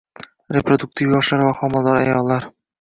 Reproduktiv yoshdagi va homilador ayollar